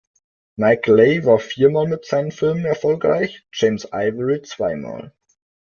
Mike Leigh war viermal mit seinen Filmen erfolgreich, James Ivory zweimal.